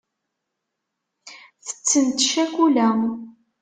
Tettent ccakula.